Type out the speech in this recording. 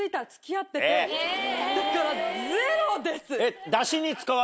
だからゼロです！